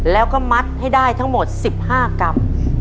แล้วก็มัดให้ได้ทั้งหมด๑๕กรัม